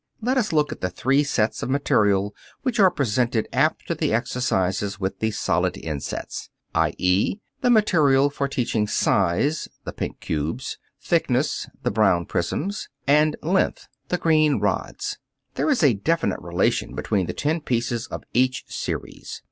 Let us look at the three sets of material which are presented after the exercises with the solid insets, i.e., the material for teaching size (the pink cubes), thickness (the brown prisms), and length (the green rods). There is a definite relation between the ten pieces of each series.